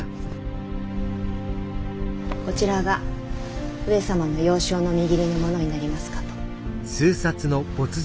こちらが上様の幼少のみぎりのものになりますかと。